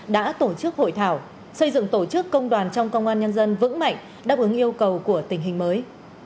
đã tổ chức hội thảo xây dựng tổ chức công đoàn trong công an nhân dân vững mạnh đáp ứng yêu cầu của tình hình mới